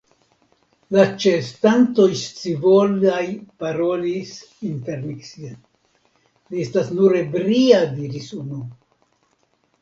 La ĉeestantoj scivolaj parolis intermikse: Li estas nur ebria, diris unu.